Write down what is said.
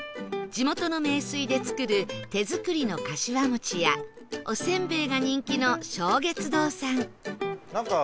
地元の名水で作る手作りのかしわ餅やおせんべいが人気の松月堂さん